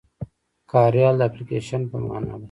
کاریال د اپليکيشن په مانا دی.